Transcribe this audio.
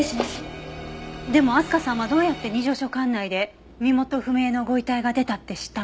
でも明日香さんはどうやって二条署管内で身元不明のご遺体が出たって知ったの？